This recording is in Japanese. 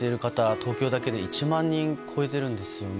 東京だけで１万人を超えているんですよね。